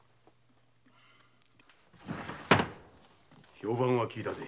評判は聞いたぜ。